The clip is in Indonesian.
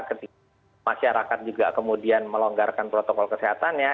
ketika masyarakat juga kemudian melonggarkan protokol kesehatannya